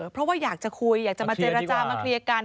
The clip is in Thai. เพราะว่าอยากจะคุยอยากจะมาเจรจามาเคลียร์กัน